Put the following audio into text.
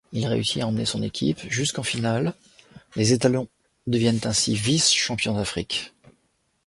Il réussit à emmener son équipe jusqu'en finale, les étalons deviennent ainsi vice-champion d'Afrique.